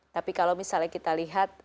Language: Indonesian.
tapi kalau misalnya kita lihat